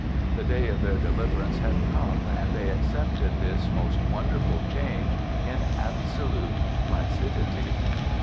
The day of their deliverance had come, and they accepted this most wonderful change in absolute placidity.